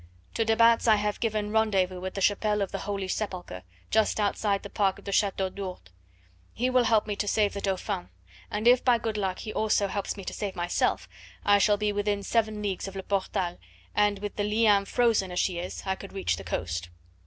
To de Batz I have given rendezvous at the Chapelle of the Holy Sepulchre, just outside the park of the Chateau d'Ourde. He will help me to save the Dauphin, and if by good luck he also helps me to save myself I shall be within seven leagues of Le Portel, and with the Liane frozen as she is I could reach the coast.